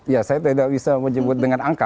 ya saya tidak bisa menyebut dengan angka